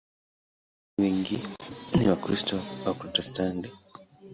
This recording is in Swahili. Upande wa dini, wengi ni Wakristo Waprotestanti.